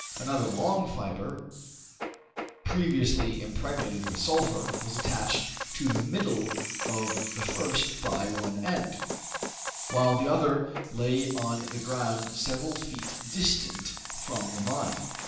Another long fiber, previously impregnated with sulphur, was attached to the middle of the first, by one end, while the other lay on the ground several feet distant from the mine.